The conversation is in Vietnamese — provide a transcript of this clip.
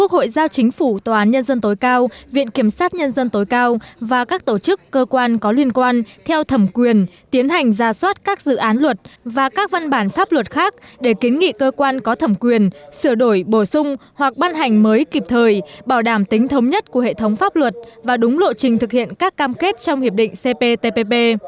hội giao chính phủ tòa án nhân dân tối cao viện kiểm sát nhân dân tối cao và các tổ chức cơ quan có liên quan theo thẩm quyền tiến hành ra soát các dự án luật và các văn bản pháp luật khác để kiến nghị cơ quan có thẩm quyền sửa đổi bổ sung hoặc ban hành mới kịp thời bảo đảm tính thống nhất của hệ thống pháp luật và đúng lộ trình thực hiện các cam kết trong hiệp định cptpp